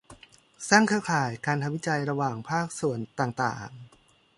สร้างเครือข่ายการทำวิจัยระหว่างภาคส่วนต่างต่าง